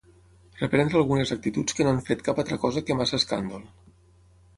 Reprendre algunes actituds que no han fet cap altra cosa que massa escàndol